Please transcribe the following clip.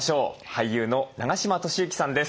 俳優の永島敏行さんです。